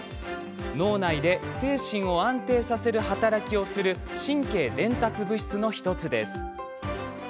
脳内で精神を安定させる働きをする神経伝達物質の１つです。